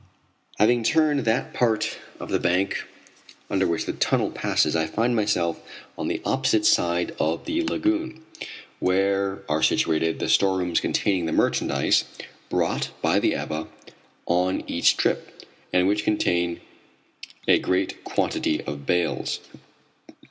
Having turned that part of the bank under which the tunnel passes, I find myself on the opposite side of the lagoon, where are situated the storerooms containing the merchandise brought by the Ebba on each trip, and which contain a great quantity of bales.